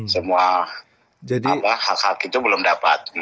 semua hak hak itu belum dapat